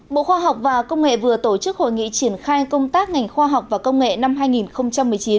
bộ khoa học và công nghệ vừa tổ chức hội nghị triển khai công tác ngành khoa học và công nghệ năm hai nghìn một mươi chín